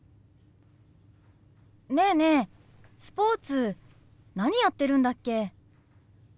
ねえねえスポーツ何やってるんだっけ？